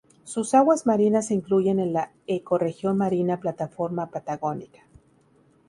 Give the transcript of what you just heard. Sus aguas marinas se incluyen en la ecorregión marina plataforma patagónica.